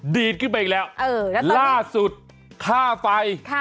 ดีดขึ้นไปอีกแล้วล่าสุดค่าไฟ